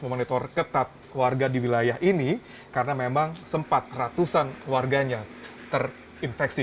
memonitor ketat warga di wilayah ini karena memang sempat ratusan warganya terinfeksi